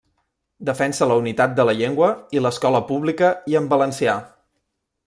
Defensa la unitat de la llengua i l'escola pública i en valencià.